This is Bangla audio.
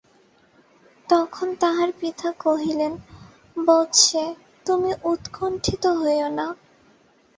তখন তাহার পিতা কহিলেন, বৎসে তুমি উৎকণ্ঠিত হইও না।